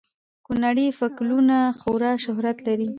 کونړي فکولونه خورا شهرت لري